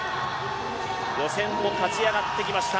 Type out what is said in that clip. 予選を勝ち上がってきました